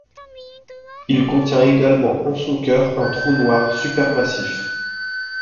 Il contient également en son cœur un trou noir supermassif.